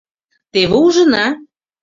— Теве ужына.